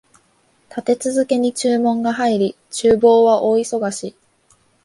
立て続けに注文が入り、厨房は大忙し